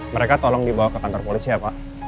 mereka tolong dibawa ke kantor polisi ya pak